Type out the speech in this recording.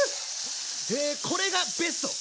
へこれがベスト⁉